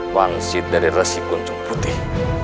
wangsit dari resi kunjung putih